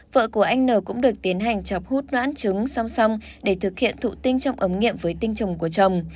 vợ của anh n cũng được tiến hành chọc hút noãn trứng song song để thực hiện thụ tinh trong ấm nghiệm với tinh trùng của chồng